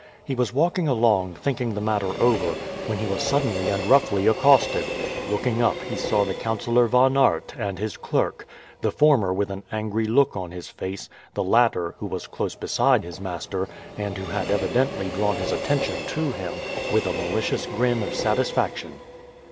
He was walking along, thinking the matter over, when he was suddenly and roughly accosted. Looking up he saw the Councillor Von Aert and his clerk; the former with an angry look on his face, the latter, who was close beside his master, and who had evidently drawn his attention to him, with a malicious grin of satisfaction.